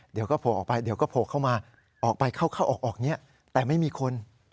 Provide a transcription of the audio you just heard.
เดี๋ยวก็โผล่ออกไปเดี๋ยวก็โผล่เข้ามาออกไปเข้าออกอย่างนี้แต่ไม่มีคน